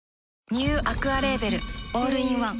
ニューアクアレーベルオールインワン